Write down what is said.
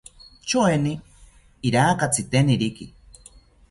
Choeni iraka tziteniriki